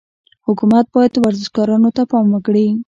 حکومت باید ورزشکارانو ته پام وکړي.